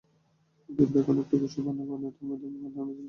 কিন্তু এখন একটি গোষ্ঠী বর্ণে বর্ণে, ধর্মে ধর্মে হানাহানি সৃষ্টি করছে।